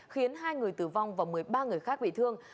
khiến hai người tử vong và một mươi ba người khác bị thương